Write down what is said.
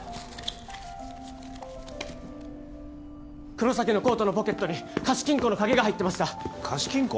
黒崎のコートのポケットに貸金庫の鍵が入ってました貸金庫？